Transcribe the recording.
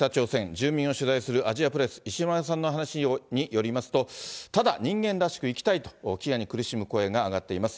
住民を取材するアジアプレス、石丸さんの話によりますと、ただ人間らしく生きたいと、飢餓に苦しむ声が上がっています。